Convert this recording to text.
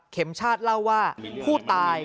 ชาติเล่าว่าผู้ตาย